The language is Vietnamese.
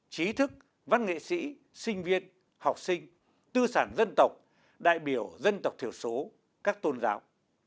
trí thức văn nghệ sĩ sinh viên học sinh tư sản dân tộc đại biểu dân tộc thiểu số các tôn giáo